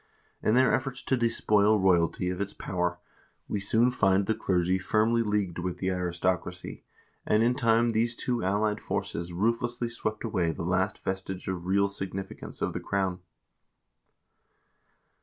In their efforts to despoil royalty of its power, we soon find the clergy firmly leagued with the aristocracy, and in time these two allied forces ruthlessly swept away the last vestige of real significance of the crown.